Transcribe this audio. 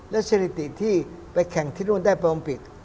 แล้วเศรษฐีที่ไปแข่งที่นู่นได้ไปโอนปิก